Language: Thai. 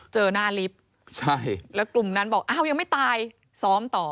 เจอหน้าลิฟต์ใช่แล้วกลุ่มนั้นบอกอ้าวยังไม่ตายซ้อมต่อ